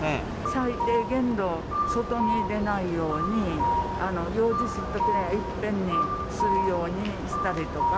最低限度、外に出ないように、用事をするときはいっぺんにするようにしたりとか。